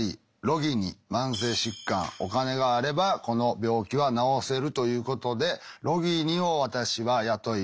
慢性疾患お金があればこの病気は治せるということでロギニを私は雇います。